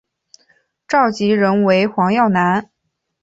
召集人为黄耀南。